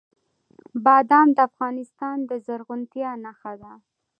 بادام د افغانستان د زرغونتیا نښه ده.